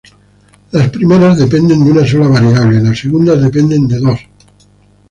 Las primeras dependen de una sola variable y las segundas dependen de dos variables.